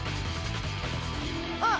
あっ！